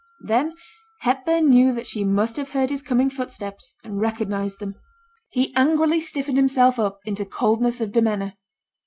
Then Hepburn knew that she must have heard his coming footsteps, and recognized them. He angrily stiffened himself up into coldness of demeanour.